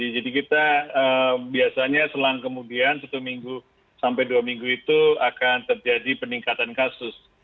jadi kita biasanya selang kemudian satu minggu sampai dua minggu itu akan terjadi peningkatan kasus